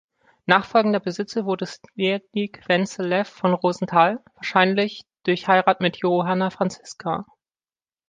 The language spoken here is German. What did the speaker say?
Nachfolgender Besitzer wurde Zdeniek Wenzel Lev von Rosental, wahrscheinlich durch Heirat mit Johanna Franziska.